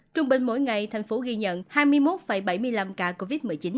trung bình mỗi ngày thành phố ghi nhận hai mươi một bảy mươi năm ca covid một mươi chín